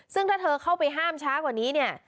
ซึ่งถ้าเธอเข้าไปห้ามช้ากว่านี้เนี่ย